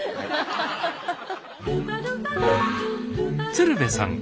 鶴瓶さん